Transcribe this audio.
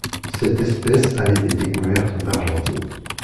Cette espèce a été découverte en Argentine.